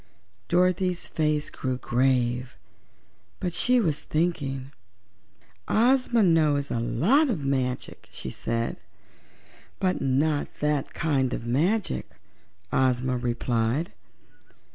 Dorothy's face grew grave; but she was thinking. "Ozma knows a lot of magic," she said. "But not that kind of magic," Ozma replied.